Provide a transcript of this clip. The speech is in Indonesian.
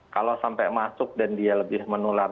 kalau sampai masuk dan dia lebih menular